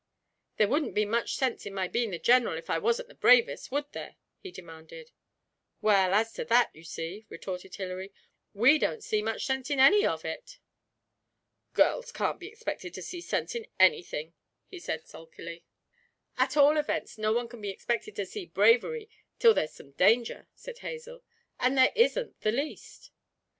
'There wouldn't be much sense in my being the General if I wasn't the bravest, would there?' he demanded. 'Well, as to that, you see,' retorted Hilary, 'we don't see much sense in any of it.' 'Girls can't be expected to see sense in anything,' he said sulkily. 'At all events, no one can be expected to see bravery till there's some danger,' said Hazel; 'and there isn't the least!'